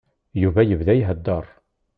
Yuba yebda iheddeṛ.